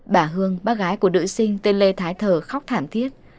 bà hương bác gái của nữ sinh tên lê thái thờ khóc thảm thiết